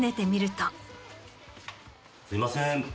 すいません。